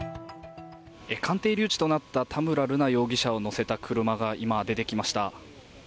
鑑定留置となった田村瑠奈容疑者を乗せた車が今、出てきました。